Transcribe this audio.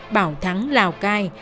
bảo thắng lào cai